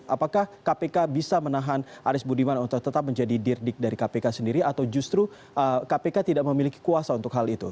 apakah kpk bisa menahan aris budiman untuk tetap menjadi dirdik dari kpk sendiri atau justru kpk tidak memiliki kuasa untuk hal itu